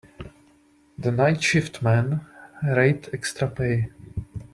The night shift men rate extra pay.